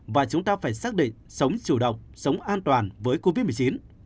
và chúng ta phải xác định sống chủ động sống an toàn với covid một mươi chín